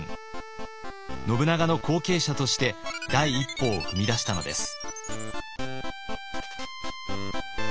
信長の後継者として第一歩を踏み出したのです。